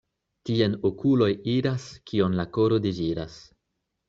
Tien okuloj iras, kion la koro deziras.